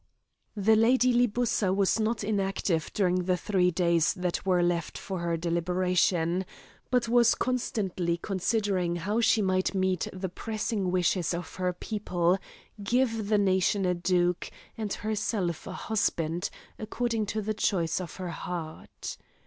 The Lady Libussa was not inactive during the three days that were left her for deliberation, but was constantly considering how she might meet the pressing wishes of her people, give the nation a duke, and herself a husband, according to the choice of her heart.